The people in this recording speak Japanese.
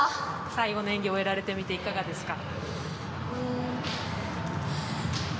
最後の演技を終えられてみていかがですか？